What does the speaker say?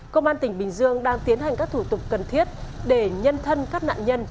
cơ quan tỉnh bình dương đang tiến hành các thủ tục cần thiết để nhân thân các nạn nhân